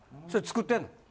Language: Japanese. それ作ってんの？